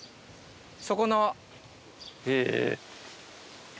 そこの。